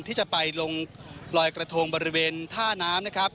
ที่จะไปลงลอยกระทงบริเวณท่าน้ำนะครับ